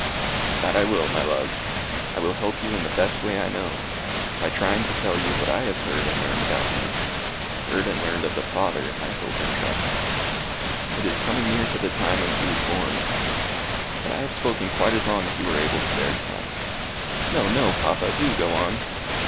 "That I will, my love. I will help you in the best way I know; by trying to tell you what I have heard and learned about him heard and learned of the Father, I hope and trust. It is coming near to the time when he was born; but I have spoken quite as long as you are able to bear to night." "No, no, papa. Do go on."